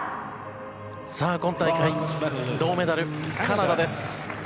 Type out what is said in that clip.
今大会銅メダル、カナダです。